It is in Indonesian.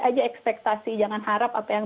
aja ekspektasi jangan harap apa yang